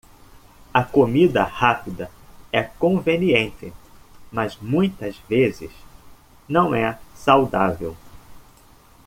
A comida rápida é conveniente, mas muitas vezes não é saudável.